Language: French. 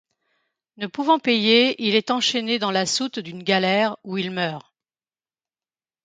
Ne pouvant payer, il est enchaîné dans la soute d'une galère où il meurt.